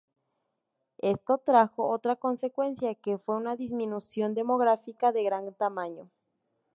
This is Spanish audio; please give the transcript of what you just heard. Esto trajo otra consecuencia, que fue una disminución demográfica de gran tamaño.